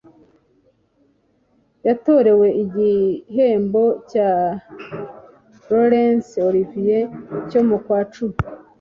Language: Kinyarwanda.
Yatorewe igihembo cya Laurence Olivier cyo mu kwacumi